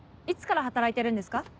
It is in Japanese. いつから働いてるんですか？